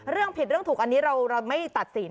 เรื่องผิดเรื่องถูกอันนี้เราไม่ตัดสิน